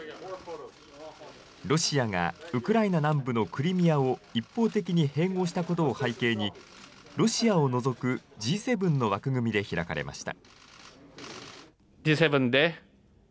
ロシアがウクライナ南部のクリミアを一方的に併合したことを背景に、ロシアを除くＧ７の枠組みで開かれました。